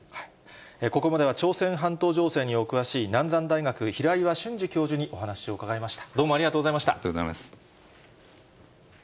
ここまでは、朝鮮半島情勢にお詳しい、南山大学平岩俊司教授にお話を伺いました。